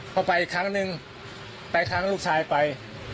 พอไปอีกครั้งนึงไปครั้งลูกชายไป